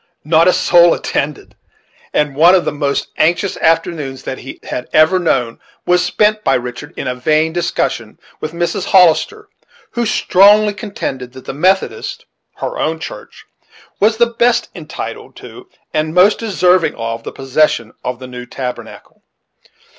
Not a soul attended; and one of the most anxious afternoons that he had ever known was spent by Richard in a vain discussion with Mrs. Hollister, who strongly contended that the Methodist (her own) church was the best entitled to and most deserving of, the possession of the new tabernacle.